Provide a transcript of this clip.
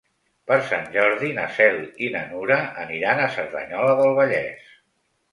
Per Sant Jordi na Cel i na Nura aniran a Cerdanyola del Vallès.